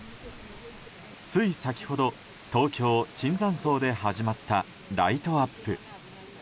つい先ほど東京・椿山荘で始まったライトアップ。